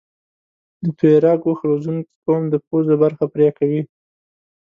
د تویراګ اوښ روزنکي قوم د پوزه برخه پرې کوي.